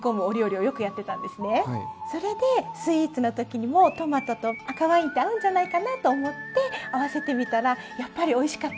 それでスイーツの時にもトマトと赤ワインって合うんじゃないかなと思って合わせてみたらやっぱりおいしかったんです。